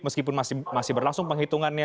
meskipun masih berlangsung penghitungannya